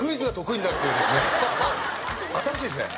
新しいですね。